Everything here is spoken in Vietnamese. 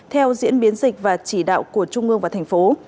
theo diễn biến dịch và chỉ đạo của trung ương và thành phố